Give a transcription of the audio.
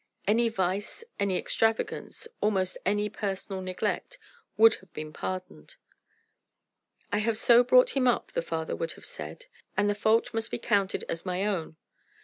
Any vice, any extravagance, almost any personal neglect, would have been pardoned. "I have so brought him up," the father would have said, "and the fault must be counted as my own."